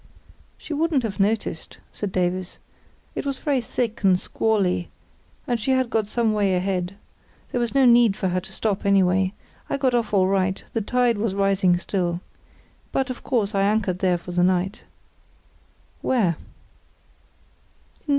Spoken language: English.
"She wouldn't have noticed," said Davies. "It was very thick and squally—and she had got some way ahead. There was no need for her to stop, anyway. I got off all right; the tide was rising still. But, of course, I anchored there for the night." "Where?"